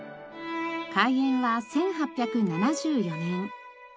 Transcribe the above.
開園は１８７４年。